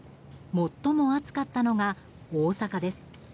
最も暑かったのが大阪です。